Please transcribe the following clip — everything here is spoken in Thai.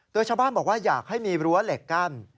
โดยชาวบ้านบอกว่าอยากให้มีรั้วเหล็กกั้น